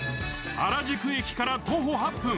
原宿駅から徒歩８分。